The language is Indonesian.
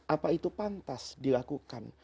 apa itu pantas dilakukan